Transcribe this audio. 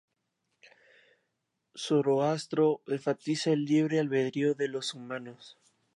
Zoroastro enfatiza el libre albedrío de los humanos.